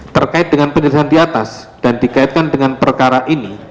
terkait dengan penyelesaian di atas dan dikaitkan dengan perkara ini